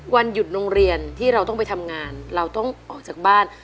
วันหยุดโรงเรียนที่เราต้องไปทำงานเราต้องออกจากบ้าน